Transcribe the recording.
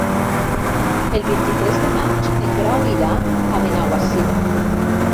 El vint-i-tres de maig en Grau irà a Benaguasil.